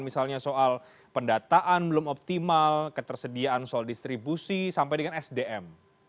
misalnya soal pendataan belum optimal ketersediaan soal distribusi sampai dengan sdm